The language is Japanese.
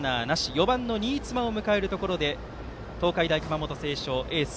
４番の新妻を迎えるところで東海大熊本星翔、エース。